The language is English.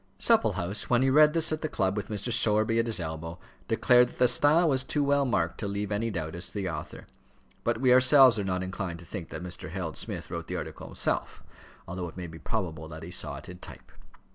Supplehouse, when he read this at the club with Mr. Sowerby at his elbow, declared that the style was too well marked to leave any doubt as to the author; but we ourselves are not inclined to think that Mr. Harold Smith wrote the article himself, although it may be probable that he saw it in type.